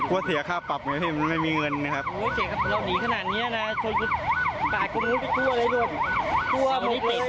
ตัวมันติดยาเราเอาได้อะไรมั้ยครับ